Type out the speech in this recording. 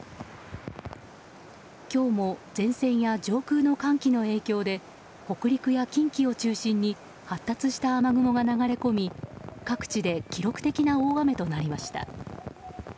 今日も前線や上空の関係の影響で北陸や近畿を中心に発達した雨雲が流れ込み各地で記録的な大雨となりました。